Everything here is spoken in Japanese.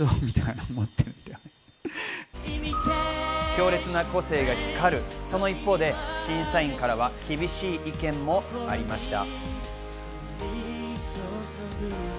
強烈な個性が光る、その一方で、審査員からは厳しい意見もありました。